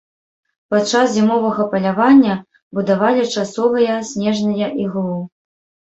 Падчас зімовага палявання будавалі часовыя снежныя іглу.